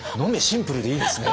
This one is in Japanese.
シンプルでいいですね。